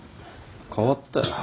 変わったよ。